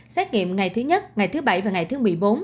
xét nghiệm ngày thứ nhất ngày thứ bảy và ngày thứ một mươi bốn